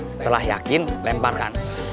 setelah yakin lemparkan